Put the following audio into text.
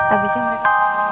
abis itu mereka